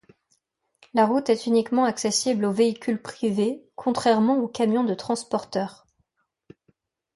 La route est uniquement accessible aux véhicules privés contrairement aux camions de transporteurs.